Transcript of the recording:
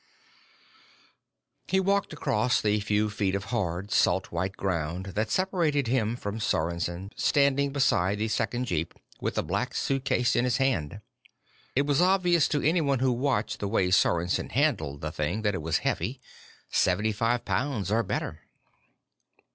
He walked across the few feet of hard, salt white ground that separated him from Sorensen standing beside the second jeep with the Black Suitcase in his hand. It was obvious to anyone who watched the way Sorensen handled the thing that it was heavy seventy five pounds or better.